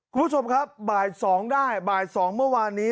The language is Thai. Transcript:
คุณผู้ชมครับบ่าย๒ได้บ่าย๒เมื่อวานนี้